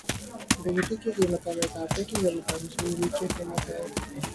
بجلی کی قیمتوں میں اضافے کی ذمہ دار مسلم لیگ کی حکومت ہے